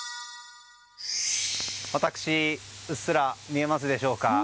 私、うっすら見えますでしょうか？